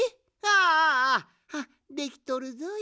ああできとるぞい。